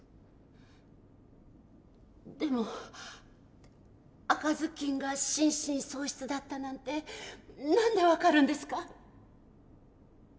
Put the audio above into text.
でも赤ずきんが心神喪失だったなんて何で分かるんですか？